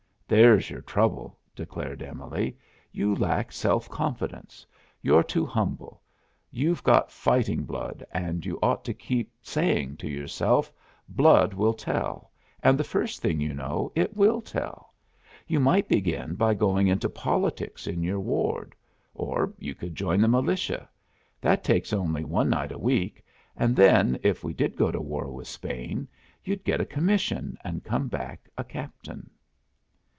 "There's your trouble," declared Emily. "You lack self confidence. You're too humble, you've got fighting blood and you ought to keep saying to yourself, 'Blood will tell,' and the first thing you know, it will tell! You might begin by going into politics in your ward. Or, you could join the militia. That takes only one night a week, and then, if we did go to war with Spain, you'd get a commission, and come back a captain!"